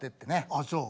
ああそう。